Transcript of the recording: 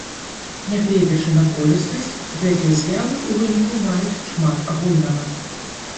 Нягледзячы на полюснасць, гэтыя з'явы ў выніку маюць шмат агульнага.